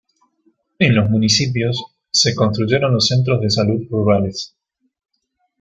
En los municipios, se construyeron los Centros de Salud Rurales.